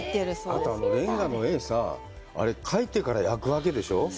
あと、あのレンガの絵さぁ、あれ、描いてから焼くわけでしょう？